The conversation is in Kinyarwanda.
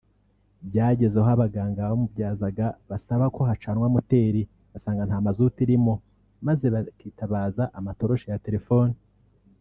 Byageze aho abaganga bamubyazaga basaba ko hacanwa moteri basanga nta mazutu irimo maze bakitabaza amatoroshi ya telefone